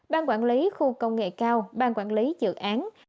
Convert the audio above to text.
ban quản lý khu công nghệ cao bang quản lý dự án